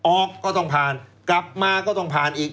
ออกก็ต้องผ่านกลับมาก็ต้องผ่านอีก